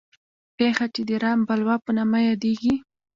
پېښه چې د رام بلوا په نامه یادېږي.